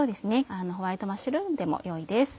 ホワイトマッシュルームでもよいです。